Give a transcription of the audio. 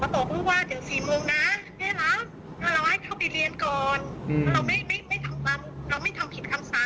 ไม่รับได้วันเดียวนะคะว่ามันสูงเป็นเป็นปกติ